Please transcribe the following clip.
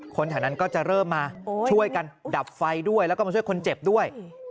แถวนั้นก็จะเริ่มมาช่วยกันดับไฟด้วยแล้วก็มาช่วยคนเจ็บด้วย